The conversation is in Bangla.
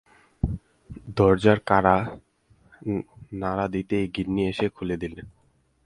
দরজার কড়া নাড়া দিতেই গিন্নি এসে খুলে দিলেন।